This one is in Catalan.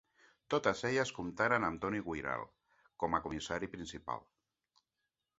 Totes elles comptaren amb Toni Guiral com a comissari principal.